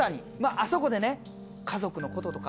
あそこでね家族のこととか。